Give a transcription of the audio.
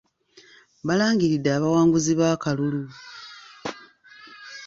Baalangiridde abawanguzi b'akalulu.